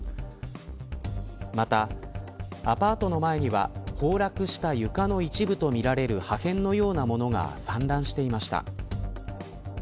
また、アパートの前には崩落した床の一部とみられる破片のような物が散乱していました。